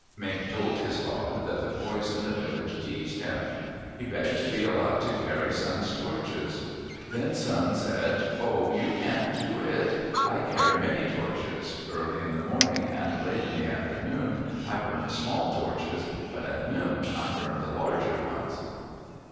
Mink told his father that the boys in the village teased him. He begged to be allowed to carry Sun's torches. Then Sun said, "Oh, you can't do it. I carry many torches. Early in the morning and late in the afternoon I burn small torches; but at noon I burn the larger ones."